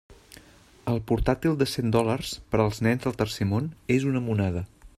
El portàtil de cent dòlars per als nens del tercer món és una monada.